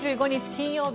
金曜日